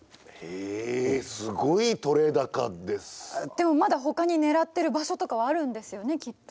でもまだほかに狙ってる場所とかはあるんですよねきっと。